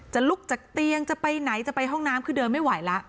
ลุกจากเตียงจะไปไหนจะไปห้องน้ำคือเดินไม่ไหวแล้ว